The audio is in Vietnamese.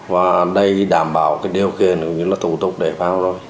và đây đảm bảo điều kiện của những thủ tục để vào rồi